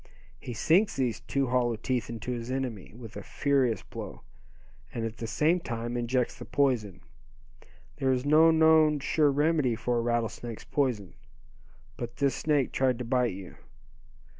He sinks these two hollow teeth into his enemy, with a furious blow, and at the same time injects the poison. There is no known sure remedy for a rattlesnake's poison. But this snake tried to bite you.